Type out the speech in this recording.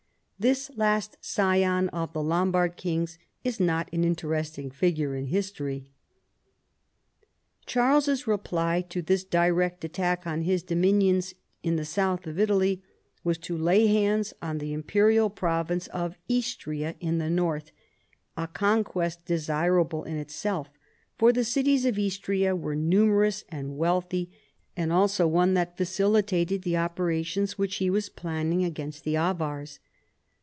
This last scion of the Lombard kings is not an interesting figure in history. Charles's reply to this direct attack on his dominions in the south of Italy was to lay hands on the Imperial province of Istria in the north, a conquest desirable in itself, for the cities of Istria were numerous and wealthy, and also one that facilitated the opera tions which he was planning against the Avars.